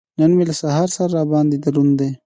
نن مې له سهاره سر را باندې دروند دی.